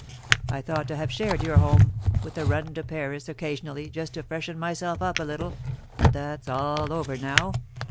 I thought to have shared your home, with a run to Paris occasionally just to freshen myself up a little; but that's all over now.